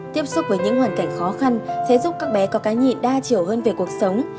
tiếp xúc với những hoàn cảnh khó khăn sẽ giúp các bé có cái nhìn đa chiều hơn về cuộc sống